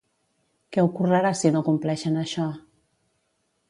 Què ocorrerà si no compleixen això?